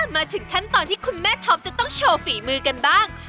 มาถึงขั้นตอนที่คุณแม่ท็อปจะต้องโชว์ฝีมือกันบ้าง